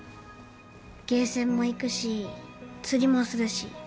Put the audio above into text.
ゲーセンも行くし釣りもするし。